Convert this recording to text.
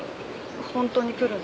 本当に来るの？